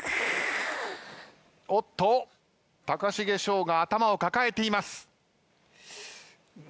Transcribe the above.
おっと高重翔が頭を抱えています。